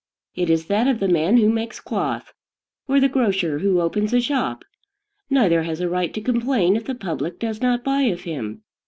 It is that of the man who makes cloth, or the grocer who opens a shop neither has a right to complain if the public does not buy of him.